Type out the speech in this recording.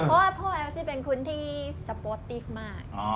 เพราะว่าพ่อแอลซี่เป็นคนที่สโปรตติ๊กมาก